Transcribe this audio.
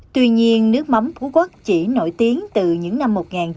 tuy nhiên nước mắm phú quốc chỉ nổi tiếng từ những năm một nghìn chín trăm bảy mươi